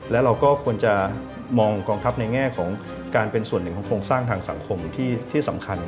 และเราก็ควรจะมองกองทัพในแง่ของการเป็นส่วนหนึ่งของโครงสร้างทางสังคมที่สำคัญ